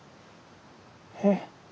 えっ？